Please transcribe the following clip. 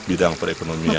jadi bidang perekonomian